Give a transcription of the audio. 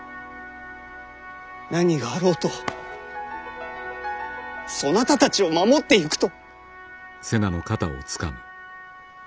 何があろうとそなたたちを守ってゆくと！